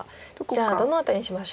じゃあどの辺りにしましょう。